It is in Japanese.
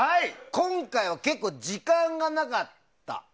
今回は、結構時間がなかった。